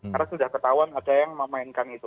karena sudah ketahuan ada yang memainkan itu